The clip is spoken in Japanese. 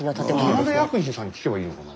田辺薬品さんに聞けばいいのかな？